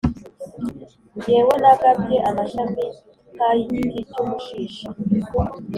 Jyewe nagabye amashami nk’ay’igiti cy’umushishi,